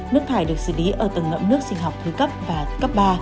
nước thải được xử lý ở tầng ngậm nước sinh học thứ cấp và cấp ba